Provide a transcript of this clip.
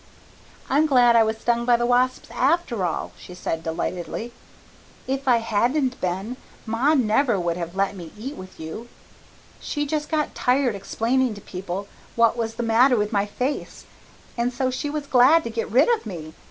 "I'm glad I was stung by the wasps after all," she said delightedly. "If I hadn't been ma would never have let me eat with you. She just got tired explaining to people what was the matter with my face, and so she was glad to get rid of me.